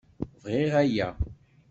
Bɣiɣ aya.